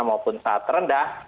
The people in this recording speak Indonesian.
maupun saat rendah